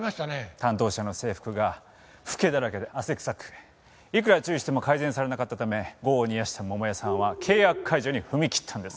担当者の制服がフケだらけで汗臭くいくら注意しても改善されなかったため業を煮やした桃代さんは契約解除に踏み切ったんです。